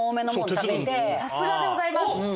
さすがでございます。